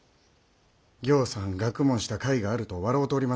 ぎょうさん学問したかいがあると笑うておりましたが